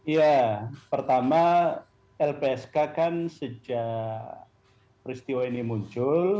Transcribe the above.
ya pertama lpsk kan sejak peristiwa ini muncul